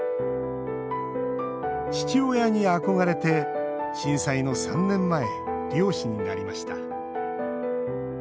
父親に憧れて、震災の３年前漁師になりました。